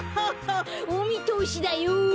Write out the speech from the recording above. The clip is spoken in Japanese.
おみとおしだよだ！